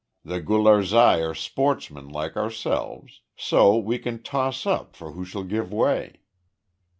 The Gularzai are sportsmen like ourselves. So we can toss up for who shall give way."